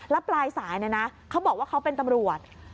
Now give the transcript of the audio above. แล้วปลายสายเขาบอกว่าเขาเป็นตำรวจ